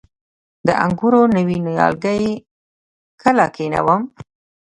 د انګورو نوي نیالګي کله کینوم؟